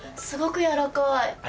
すごくやわらかい。